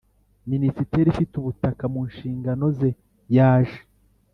Minisiteri ifite ubutaka mu nshingano ze yaje